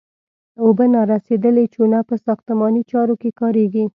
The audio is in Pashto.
اوبه نارسیدلې چونه په ساختماني چارو کې کاریږي.